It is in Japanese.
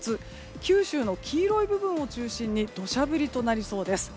九州の黄色い部分を中心に土砂降りとなりそうです。